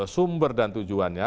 sumber dan tujuannya